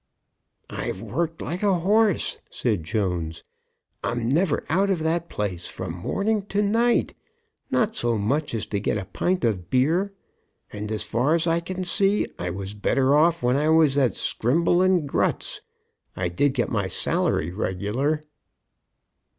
"I've worked like a horse," said Jones. "I'm never out of that place from morning to night, not so much as to get a pint of beer. And, as far as I can see, I was better off when I was at Scrimble and Grutts. I did get my salary regular."